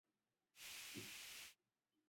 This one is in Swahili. hizi hifadhi za jamii nchini tanzania ndiyo